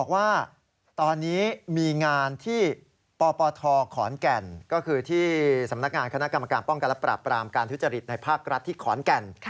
ว่าตอนนี้มีงานที่ปปทขอนแก่นก็คือที่สำนักงานคณะกรรมการป้องกันและปรับปรามการทุจริตในภาครัฐที่ขอนแก่น